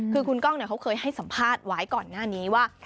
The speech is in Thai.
คือคุณกล้องเขาเคยให้สัมภาษณ์ไว้ก่อนหน้านี้ว่า